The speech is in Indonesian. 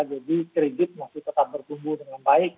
jadi kredit masih tetap berkumpul dengan baik